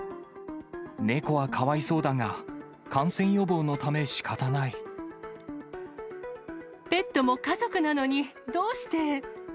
猫はかわいそうだが、感染予ペットも家族なのにどうして。